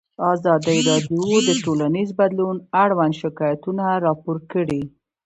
ازادي راډیو د ټولنیز بدلون اړوند شکایتونه راپور کړي.